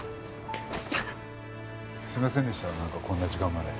すいませんでしたなんかこんな時間まで。